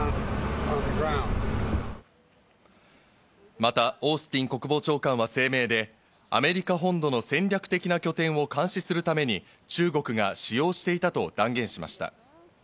またオースティン国防長官は声明でアメリカ本土の戦略的な拠点を監視するために中国が使用していたと断言しました。